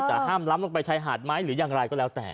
ห้ามล้ำลงไปชายหาดไหมหรืออย่างไรก็แล้วแต่